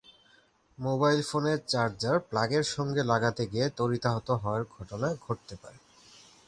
Mobile ফোনের charger প্লাগের সঙ্গে লাগাতে গিয়ে তড়িতাহত হওয়ার ঘটনা ঘটতে পারে।